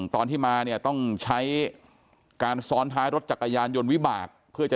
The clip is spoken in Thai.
ตอนที่มาเนี่ยต้องใช้การซ้อนท้ายรถจักรยานยนต์วิบากเพื่อจะ